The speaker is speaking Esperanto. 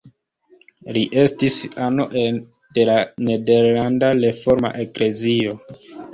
Li estis ano de la Nederlanda Reforma Eklezio.